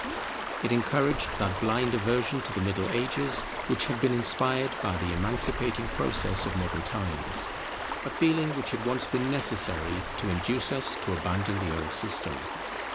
It encouraged that blind aversion to the Middle Ages, which had been inspired by the emancipating process of modern times; a feeling which had once been necessary to induce us to abandon the old system.